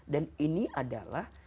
dan ini adalah